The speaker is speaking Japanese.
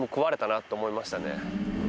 って思いましたね。